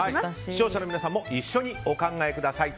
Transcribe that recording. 視聴者の皆さんも一緒にお考えください。